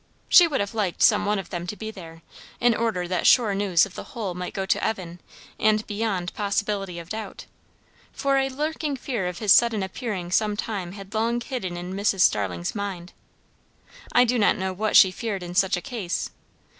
She would have liked some one of them to be there, in order that sure news of the whole might go to Evan and beyond possibility of doubt; for a lurking fear of his sudden appearing some time had long hidden in Mrs. Starling's mind. I do not know what she feared in such a case.